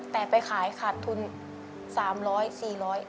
แต่ไปขายขาดทุน๓๐๐๔๐๐บาท